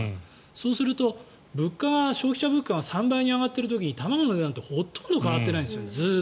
そうすると消費者物価が３倍に上がっている時卵の値段ってずっとほとんど変わってないんです。